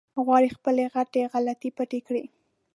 غواړي خپلې غټې غلطۍ پټې کړي.